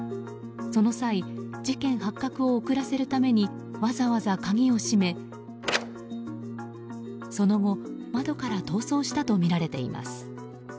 その際、事件発覚を遅らせるためにわざわざ鍵を閉めその後、窓から逃走したとみられています。